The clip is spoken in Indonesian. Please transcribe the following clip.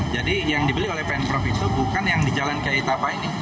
jadi yang dibeli oleh penpro itu bukan yang dijalankan seperti apa ini